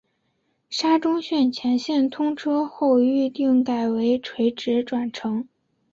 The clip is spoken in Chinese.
沙中线全线通车后预定改为垂直转乘。